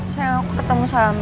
sayang aku ketemu sama mbak ending